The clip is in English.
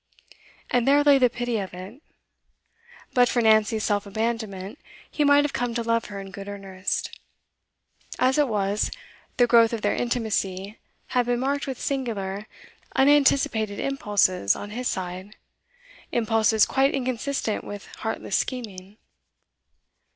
And there lay the pity of it. But for Nancy's self abandonment, he might have come to love her in good earnest. As it was, the growth of their intimacy had been marked with singular, unanticipated impulses on his side, impulses quite inconsistent with heartless scheming.